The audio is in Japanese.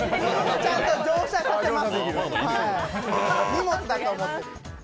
ちゃんと乗車かけます。